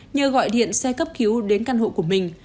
nhờ gọi điện xe cấp cứu đến căn hộ của mình